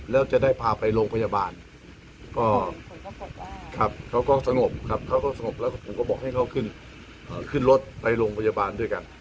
แล้วก็พาไปโรงพยาบาล